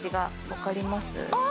分かります。